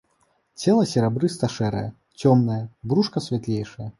Цела серабрыста-шэрае, цёмнае, брушка святлейшае.